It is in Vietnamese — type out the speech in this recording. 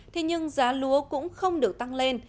thế nhưng giá lúa cũng không được tăng lên